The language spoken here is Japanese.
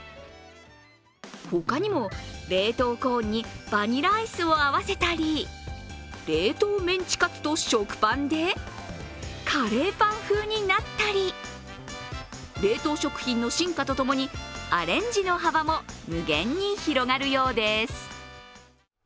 ほかにも冷凍コーンにバニラアイスを合わせたり冷凍メンチカツと食パンでカレーパン風になったり冷凍食品の進化と共にアレンジの幅も無限に広がるようです。